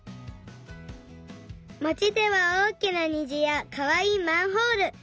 まちではおおきなにじやかわいいマンホール。